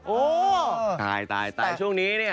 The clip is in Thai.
โอ้ตายตายตาย